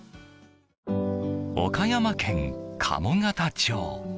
岡山県鴨方町。